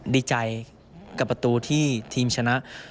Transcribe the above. ดีใจกับประตูที่ทีมชนะ